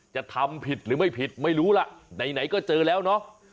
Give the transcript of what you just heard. จะทำผิดหรือไม่ผิดไม่รู้ล่ะไหนก็เจอแล้วเนาะ